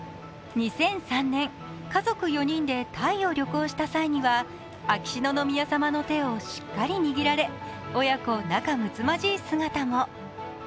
２００３年、家族４人でタイを旅行した際には秋篠宮さまの手をしっかり握られ親子仲むつまじい姿も。